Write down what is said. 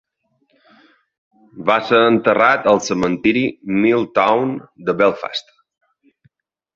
Va ser enterrat al cementiri Milltown de Belfast.